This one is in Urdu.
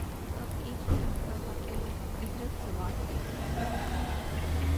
اب ایک ہی راستہ باقی ہے: ہجرت سوال یہ ہے